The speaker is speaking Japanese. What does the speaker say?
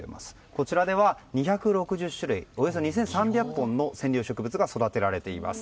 こちらでは、２６０種類およそ２３００本の染料植物が育てられています。